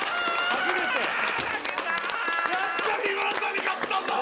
初めてだ！